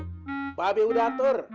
mba be udah atur